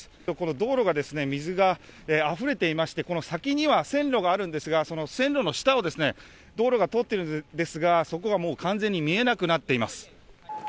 道路が、水があふれていまして、この先には、線路があるんですが、その線路の下を、道路が通ってるんですが、そこがもう完全に見えなくなっています。